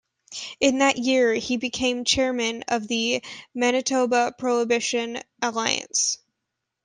In that year, he became chairman of the Manitoba Prohibition Alliance.